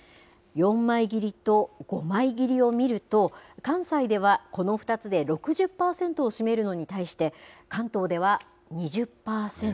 ４枚切りと５枚切りを見ると、関西ではこの２つで６０％を占めるのに対して、関東では２０％。